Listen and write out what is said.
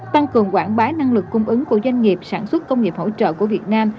tăng cường quảng bá năng lực cung ứng của doanh nghiệp sản xuất công nghiệp hỗ trợ của việt nam